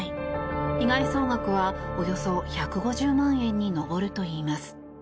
被害総額は、およそ１５０万円に上るといいます。